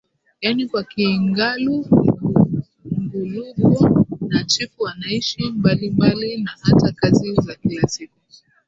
yaani kwa Kingalu Gungulugwa na Chifu wanaishi mbalimbali na hata kazi za kila siku